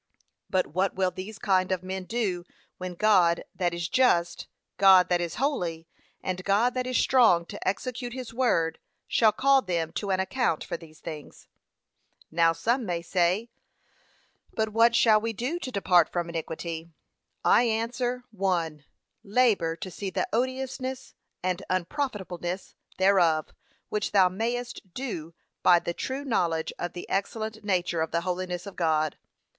But what will these kind of men do, when God that is just, God that is holy, and God that is strong to execute his word, shall call them to an account for these things? Now some may say, But what shall we do to depart from iniquity? I answer, 1. Labour to see the odiousness and unprofitableness thereof, which thou mayest do by the true knowledge of the excellent nature of the holiness of God.